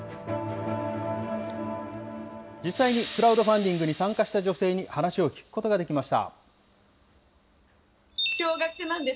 実際にクラウドファンディングに参加した女性に話を聞くことができました。